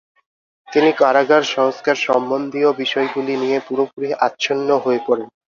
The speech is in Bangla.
তিনি কারাগার সংস্কার সম্বন্ধীয় বিষয়গুলি নিয়ে পুরোপুরি আচ্ছন্ন হয়ে পড়েন।